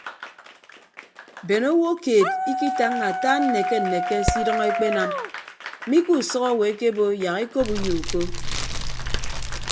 Bene owo keed ikitañña ata nneke nneke se idʌñ ekpenam mi ke usʌk owo ekebo yak ekop uyo uko.